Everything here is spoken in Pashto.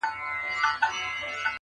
o هندو ستړی، خداى ناراضه.